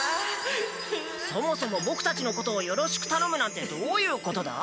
そもそもボクたちのことをよろしくたのむなんてどういうことだ？